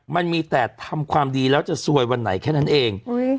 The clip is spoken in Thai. มันมีแต่ทำความดีจะซวยวันไหนแค่นั่นเองอุ้ย